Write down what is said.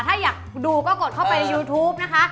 ถ้าอยากดูก็กดเข้าไปในยูทูปนะคะ